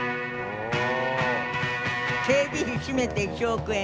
「警備費しめて１億円」。